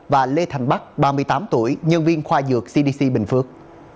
và lê thành bắc ba mươi tám tuổi nhân viên khoa dược cdc bình phước